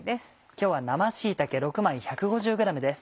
今日は生椎茸６枚１５０ｇです。